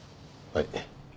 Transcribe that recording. はい。